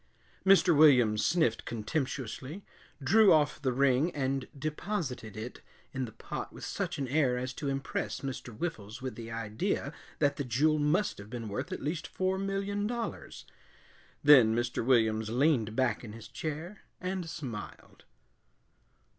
Mr. Williams sniffed contemptuously, drew off the ring, and deposited it in the pot with such an air as to impress Mr. Whiffles with the idea that the jewel must have been worth at least four million dollars. Then Mr. Williams leaned back in his chair and smiled.